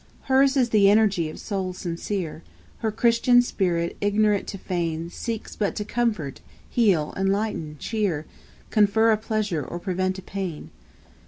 8. Hers is the energy of soul sincere; Her Christian spirit, ignorant to feign, Seeks but to comfort, heal, enlighten, cheer, Confer a pleasure or prevent a pain.